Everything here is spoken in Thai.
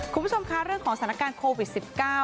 คุณผู้ชมคะเรื่องของสถานการณ์โควิด๑๙